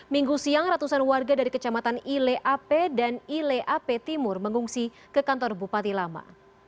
minggu siang ratusan warga dari kecamatan ileape dan ileape timur mengungsi ke kantor bupati lama